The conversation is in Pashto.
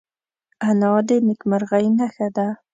انا د نیکمرغۍ نښه ده